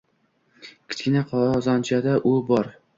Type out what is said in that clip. Kichkinagina qozonchada u bor.